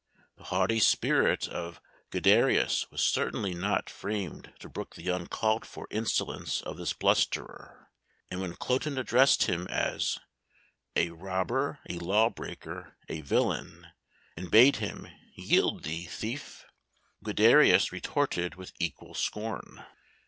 The haughty spirit of Guiderius was certainly not framed to brook the uncalled for insolence of this blusterer, and when Cloten addressed him as "a robber, a law breaker, a villain," and bade him "Yield thee, thief!" Guiderius retorted with equal scorn.